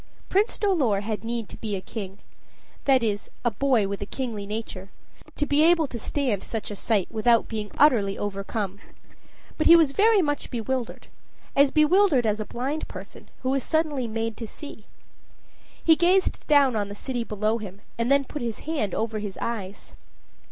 Prince Dolor had need to be a king that is, a boy with a kingly nature to be able to stand such a sight without being utterly overcome. But he was very much bewildered as bewildered as a blind person who is suddenly made to see. He gazed down on the city below him, and then put his hand over his eyes.